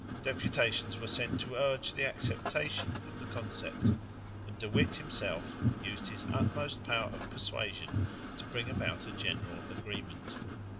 Deputations were sent to urge the acceptation of the Concept; and De Witt himself used his utmost power of persuasion to bring about a general agreement.